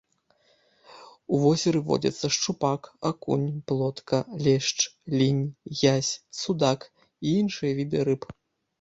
У возеры водзяцца шчупак, акунь, плотка, лешч, лінь, язь, судак і іншыя віды рыб.